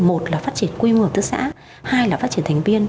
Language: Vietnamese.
một là phát triển quy mô hợp tác xã hai là phát triển thành viên